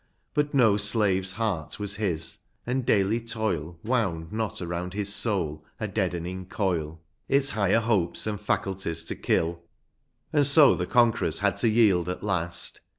But no slave's heart was his, and daily toil Wound not around his soul a deadening coil. Its higher hopes and faculties to kill. And so the conquerers had to yield at last.